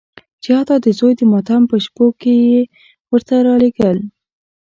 چې حتی د زوی د ماتم په شپو کې یې ورته رالېږل.